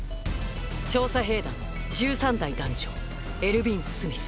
調査兵団１３代団長エルヴィン・スミス。